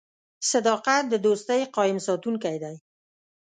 • صداقت د دوستۍ قایم ساتونکی دی.